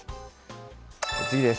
次です。